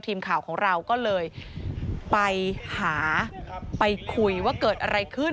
ทีมข่าวของเราก็เลยไปหาไปคุยว่าเกิดอะไรขึ้น